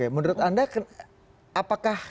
menurut anda apakah